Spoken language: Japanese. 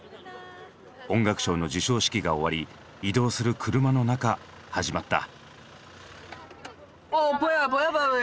音楽賞の授賞式が終わり移動する車の中始まった。